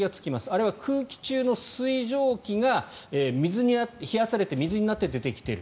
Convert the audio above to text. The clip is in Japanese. あれは空気中の水蒸気が冷やされて水になって出てきている。